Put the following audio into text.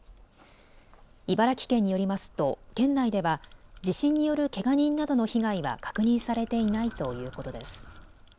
茨城県によりますと県内では地震によるけが人などの被害は確認されていないということです。